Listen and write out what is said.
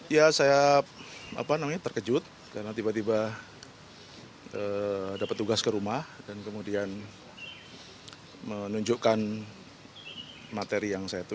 ya saya terkejut karena tiba tiba dapat tugas ke rumah dan kemudian menunjukkan materi yang saya terima